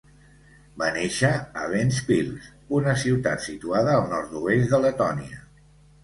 Va néixer a Ventspils, una ciutat situada al nord-oest de Letònia.